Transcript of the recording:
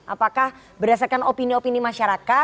apakah berdasarkan opini opini masyarakat